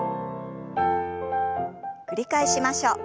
繰り返しましょう。